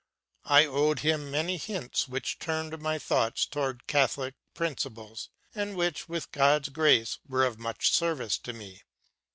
I owe him many hints which turned my thoughts toward Catholic principles, and which, with God's grace, were of much service to me.